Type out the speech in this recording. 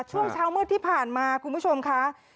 ช่วงเช้ามืดที่ผ่านมาคุณผู้ชมค่ะ